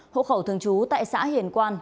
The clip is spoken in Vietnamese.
hộ khẩu thường trú tại xã hiền quan